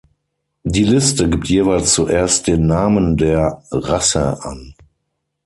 Die Liste gibt jeweils zuerst den Namen der „Rasse“ an.